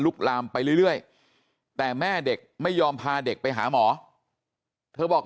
ลามไปเรื่อยแต่แม่เด็กไม่ยอมพาเด็กไปหาหมอเธอบอก